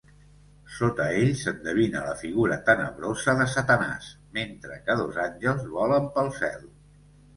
Sota ell s'endevina la figura tenebrosa de Satanàs, mentre que dos àngels volen pel cel.